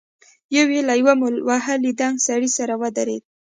يو يې له يوه مول وهلي دنګ سړي سره ودرېد.